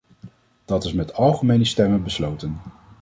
Dat is met algemene stemmen besloten.